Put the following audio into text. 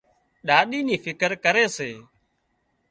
ڏاڏِي نِي فڪر ڪري سي